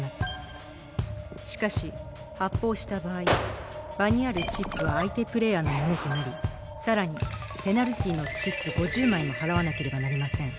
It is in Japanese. しかし発砲した場合場にあるチップは相手プレーヤーのものとなりさらにペナルティーのチップ５０枚も払わなければなりません。